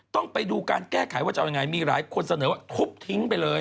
ต้องไปดูการแก้ไขว่าจะเอายังไงมีหลายคนเสนอว่าทุบทิ้งไปเลย